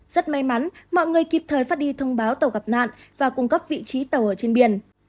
rất may mắn mọi người kịp thời phát đi thông báo tàu gặp nạn và cung cấp vị trí tàu ở trên biển